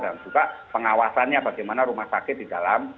dan juga pengawasannya bagaimana rumah sakit di dalam